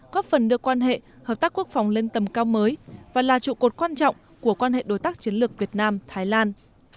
góp phần đưa quan hệ hợp tác quốc phòng lên tầm cao mới và là trụ cột quan trọng của quan hệ đối tác chiến lược việt nam thái lan